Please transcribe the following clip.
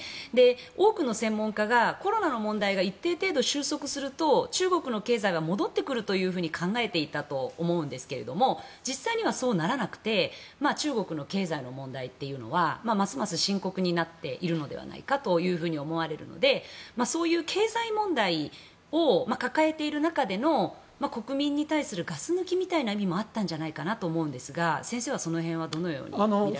多くの専門家がコロナ問題が一定程度収束すると、中国の経済は戻ってくると考えていたと思うんですけれども実際にはそうならなくて中国の経済の問題はますます深刻になっているのではないかと思われるのでそういう経済問題を抱えている中での、国民に対するガス抜きみたいな意味もあったんじゃないかなと思うんですが先生はその辺はどのようにみられていますか？